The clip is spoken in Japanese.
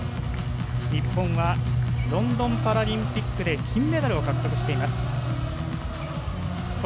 日本はロンドンパラリンピックで金メダルを獲得しています。